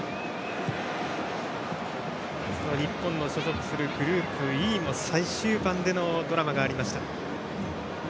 日本の所属するグループＥも最終盤でのドラマがありました。